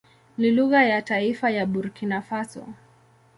Ni lugha ya taifa ya Burkina Faso.